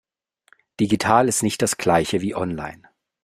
Digital ist nicht das Gleiche wie online.